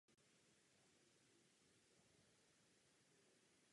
Návrh se o něm zmiňuje zcela oprávněně.